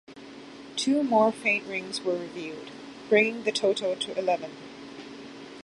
Two more faint rings were revealed, bringing the total to eleven.